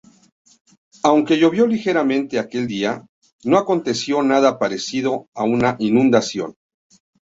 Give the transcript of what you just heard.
Aunque llovió ligeramente aquel día, no aconteció nada parecido a una inundación.